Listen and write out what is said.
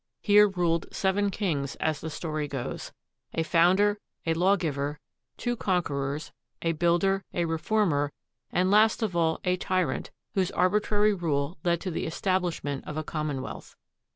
Here ruled seven kings, as the story goes, a founder, a lawgiver, two conquerors, a builder, a reformer, and, last of all, a tyrant, whose arbitrary rule led to the establishment of a commonwealth.